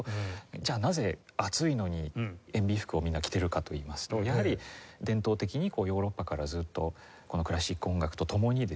じゃあなぜ暑いのに燕尾服をみんな着てるかといいますとやはり伝統的にヨーロッパからずっとこのクラシック音楽と共にですね